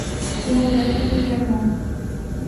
Кумыл дене миен мо?..